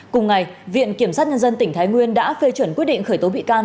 cùng ngày viện kiểm sát nhân dân tỉnh thái nguyên đã phê chuẩn quyết định khởi tố bị can